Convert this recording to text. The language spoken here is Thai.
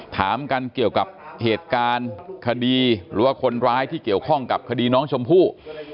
ถามกันเกี่ยวกับเหตุการณ์คดีหรือว่าคนร้ายที่เกี่ยวข้องกับคดีน้องชมพู่